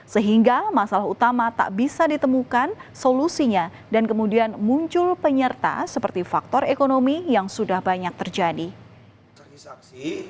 sehingga masalah utama tak bisa ditemukan solusinya dan kemudian muncul penyerta seperti faktor ekonomi yang sudah banyak terjadi